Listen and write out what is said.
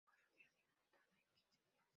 Fue rodada y montada en quince días.